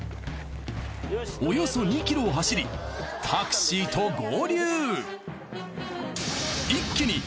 およそ２ｋｍを走りタクシーと合流。